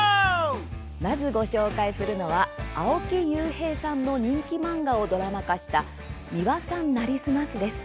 まず、ご紹介するのは青木Ｕ平さんの人気漫画をドラマ化した「ミワさんなりすます」です。